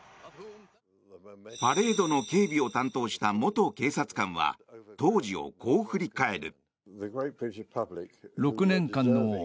パレードの警備を担当した元警察官は当時をこう振り返る。